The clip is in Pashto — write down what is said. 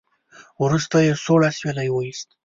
وروسته يې سوړ اسويلی وېست.